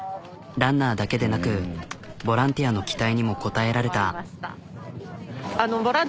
ランナーだけでなくボランティアの期待にも応えられた。